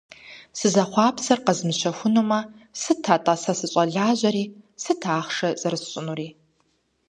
Сызэхъуапсэр къэзмыщэхунумэ, сыт, атӏэ, сэ сыщӏэлажьэри, сыт ахъшэ зэрысщӏынури?